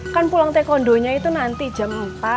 kan pulang teh kondonya itu nanti jam empat